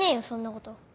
そんなこと。